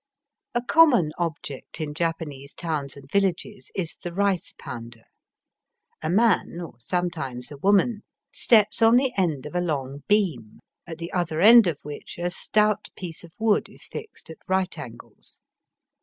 A common object in Japanese towns and villages is the rice pounder. A man, or some times a woman, steps on the end of a long beam, at the other end of which a stout piece of wood is fixed at right angles.